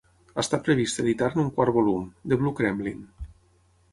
Està previst editar-ne un quart volum, "The Blue Kremlin".